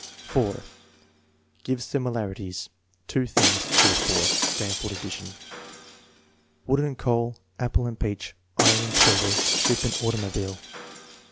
'* 4. Gives similarities, two tilings. ( of 4.) (Stanford addition.) Wood and coal; apple and peach; iron and silver; ship and automobile.